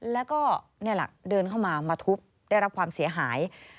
แล้วก็นี่แหละเดินเข้ามามาทุบได้รับความเสียหาย